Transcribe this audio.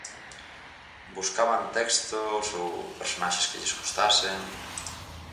Buscaban textos ou personaxes que lles gustasen...?